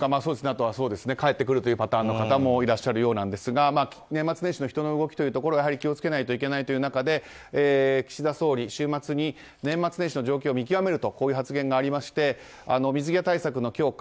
帰ってくるパターンの方もいらっしゃるようですが年末年始の人の動き気をつけないとという中で岸田総理、週末に年末年始の状況を見極めるとこういう発言がありまして水際対策の強化